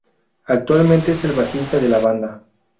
Actualmente es el bajista de la banda.